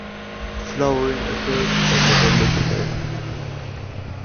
Flowering occurs from November to May.